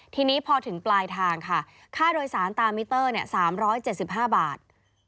ทีนี้พอถึงปลายทางค่ะค่าโดยสารตามมิเตอร์๓๗๕บาท